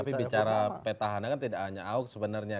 tapi bicara petahana kan tidak hanya ahok sebenarnya